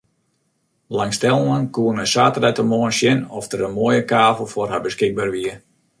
Belangstellenden koene saterdeitemoarn sjen oft der in moaie kavel foar har beskikber wie.